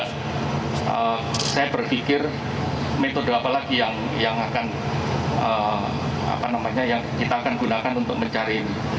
dan juga saya berpikir metode apa lagi yang akan kita gunakan untuk mencari ini